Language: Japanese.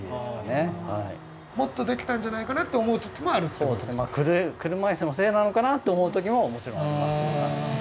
もっとできたんじゃないかなって思う時もあるってことですか？って思う時ももちろんありますね。